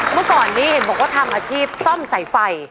เมื่อก่อนนี้เห็นบอกว่าทำอาชีพซ่อมสายไฟ